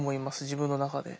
自分の中で。